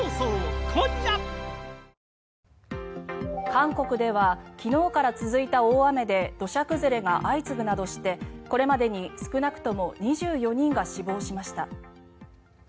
韓国では昨日から続いた大雨で土砂崩れが相次ぐなどしてこれまでに少なくとも２４人が死亡しました。